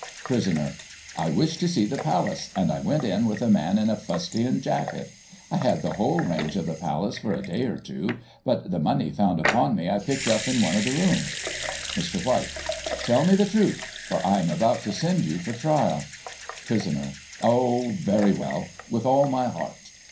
Prisoner : I wished to see the Palace, and I went in with a man in a fustian jacket. I had the whole range of the Palace for a day or two, but the money found upon me I picked up in one of the rooms. Mr. White : Tell me the truth, for I am about to send you for trial. • Prisoner: Oh, very well; with all my heart.